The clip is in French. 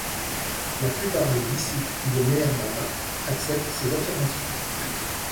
La plupart des disciples de Meher Baba acceptent ces affirmations.